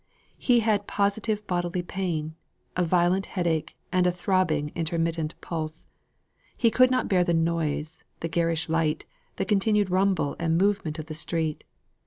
He had positive bodily pain a violent headache, and a throbbing intermittent pulse. He could not bear the noise, the garish light, the continued rumble and movement of the street.